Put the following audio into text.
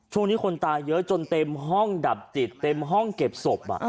ช่วงนี้คนตายเยอะจนเต็มห้องดับจิตเต็มห้องเก็บศพ